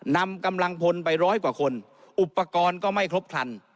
นำกำลังพลไปร้อยกว่าคนอุปกรณ์ก็ไม่ครบครัน